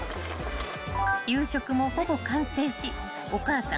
［夕食もほぼ完成しお母さん